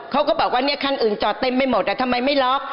เขาก็บอกว่าเนี่ยคันอื่นจอดเต็มไปหมดทำไมไม่ล็อก